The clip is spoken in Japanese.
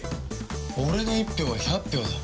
俺の１票は１００票だ。